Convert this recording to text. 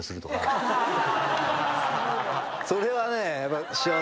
それはね。